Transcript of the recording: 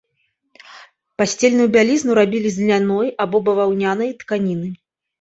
Пасцельную бялізну рабілі з льняной або баваўнянай тканіны.